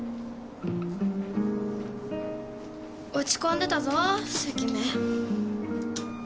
落ち込んでたぞ関目。